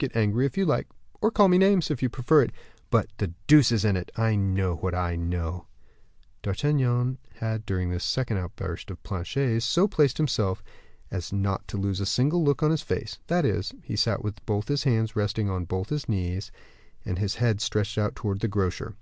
Get angry if you like, or call me names, if you prefer it; but, the deuce is in it. I know what I know." D'Artagnan had, during this second outburst of Planchet's, so placed himself as not to lose a single look of his face; that is, he sat with both his hands resting on both his knees, and his head stretched out towards the grocer.